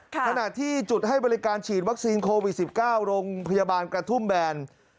ขณะที่จุดให้บริการฉีดวัคซีนโควิด๑๙โรงพยาบาลกระทุ่มแบน